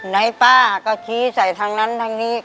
ไหนป้าก็ชี้ใส่ทางนั้นทางนี้